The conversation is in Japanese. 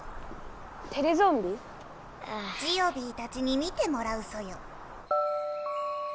ジオビーたちに見てもらうソヨ。